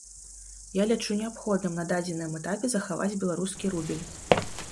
Я лічу неабходным на дадзеным этапе захаваць беларускі рубель.